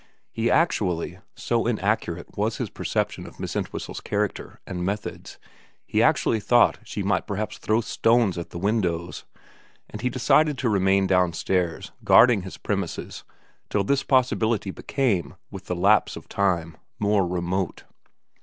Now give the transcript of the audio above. He actually, so in accurate was his perception of Miss Entwhistle's char acter and methods, he actually thought she might perhaps throw stones at the windows, and he decided to remain downstairs guarding his premises till this possibility became, with the lapse of time, more remote.